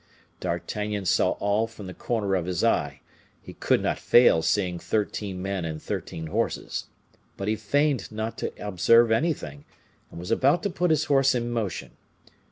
D'Artagnan saw all from the corner of his eye; he could not fail seeing thirteen men and thirteen horses. But he feigned not to observe anything, and was about to put his horse in motion.